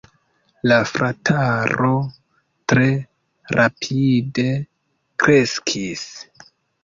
La frataro tre rapide kreskis.